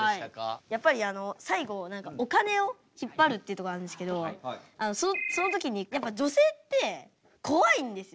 やっぱりあの最後お金を引っ張るってとこあるんですけどその時にやっぱ女性って怖いんですよ。